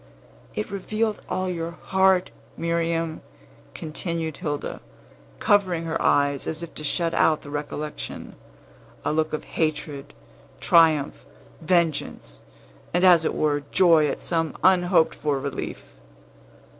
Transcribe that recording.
"It revealed all your heart, Miriam," continued Hilda, covering her eyes as if to shut out the recollection; "a look of hatred, triumph, vengeance, and, as it were, joy at some unhoped for relief."